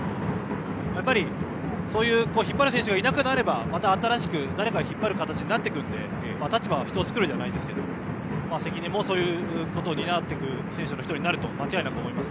やっぱり、引っ張る選手がいなくなれば、また新しく誰かが引っ張る形になってくるので立場が人を作るじゃないですけど関根もそういうことを担っていく選手の１人になることは間違いなく思います。